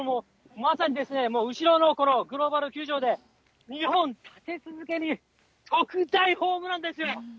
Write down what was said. まさにですね、もう後ろのグローブ球場で２本、立て続けに特大ホームランです。